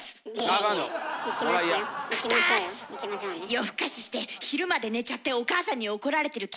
夜更かしして昼まで寝ちゃってお母さんに怒られてる君。